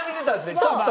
ちょっと。